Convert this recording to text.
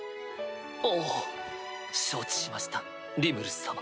おぉ承知しましたリムル様。